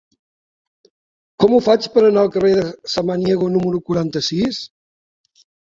Com ho faig per anar al carrer de Samaniego número quaranta-sis?